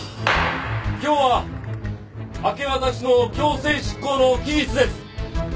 今日は明け渡しの強制執行の期日です。